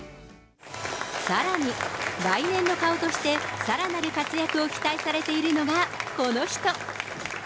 さらに、来年の顔として、さらなる活躍を期待されているのがこの人。